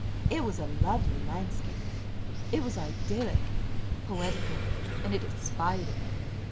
It was a lovely landscape. It was idyllic, poetical, and it inspired me.